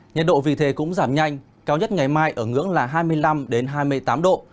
nhiệt độ vì thế cũng giảm nhanh cao nhất ngày mai ở ngưỡng là hai mươi năm hai mươi tám độ